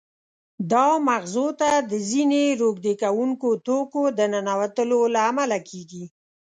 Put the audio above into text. دا مغزو ته د ځینې روږدې کوونکو توکو د ننوتلو له امله کېږي.